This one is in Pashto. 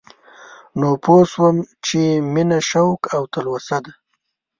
نو پوه شوم چې مينه شوق او تلوسه ده